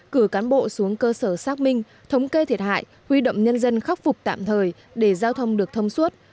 cử cán bộ xuống cơ sở xác minh thống kê thiệt hại huy động nhân dân khắc phục tạm thời để giao thông được thông suốt